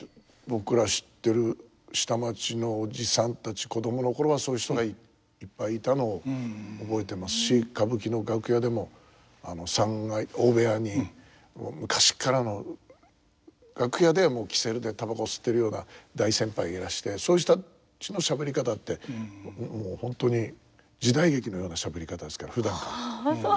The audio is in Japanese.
僕ら知ってる下町のおじさんたち子供の頃はそういう人がいっぱいいたのを覚えてますし歌舞伎の楽屋でも三階大部屋にもう昔っからの楽屋では煙管でたばこ吸ってるような大先輩がいらしてそういう人たちのしゃべり方ってもう本当に時代劇のようなしゃべり方ですからふだんから。